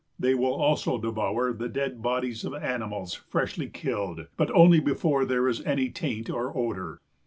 They will also devour the dead bodies of animals freshly killed, but only before there is any taint or odor.